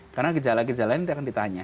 karena gejala gejala ini tidak akan ditanya